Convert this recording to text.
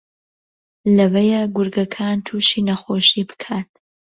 لەوەیە گورگەکان تووشی نەخۆشی بکات